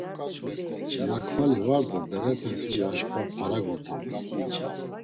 Makvali var do berepes huy aşǩva para gurtaman.